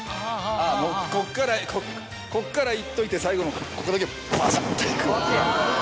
もうこっからこっからいっといて最後のここだけバサっていくっていう。